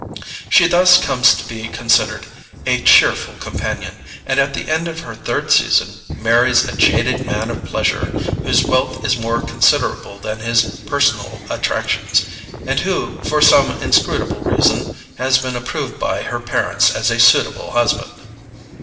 She thus comes to be considered a cheerful companion, and at the end of her third season, marries a jaded man of pleasure, whose wealth is more considerable than his personal attractions, and who, for some inscrutable reason, has been approved by her parents as a suitable husband.